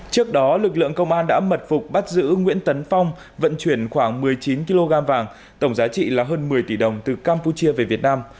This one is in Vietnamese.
trước đó lực lượng công an đã mật phục bắt giữ nguyễn tấn phong vận chuyển khoảng một mươi chín kg vàng tổng giá trị là hơn một mươi tỷ đồng từ campuchia về việt nam